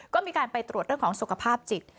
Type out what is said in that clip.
ก็มีการไปตรวจสุขภาพจิต